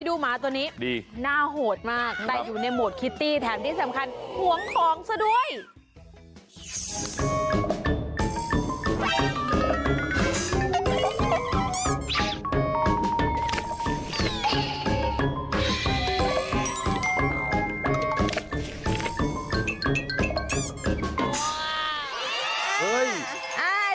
หมาตัวนี้ดีน่าโหดมากแต่อยู่ในโหมดคิตตี้แถมที่สำคัญหวงของซะด้วย